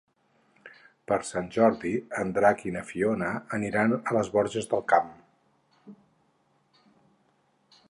Per Sant Jordi en Drac i na Fiona aniran a les Borges del Camp.